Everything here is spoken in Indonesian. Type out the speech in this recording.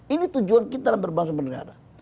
ini tujuan kita dalam berbangsa bernegara